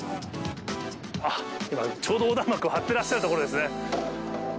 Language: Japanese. あっ、今ちょうど横断幕を張ってらっしゃるところですね。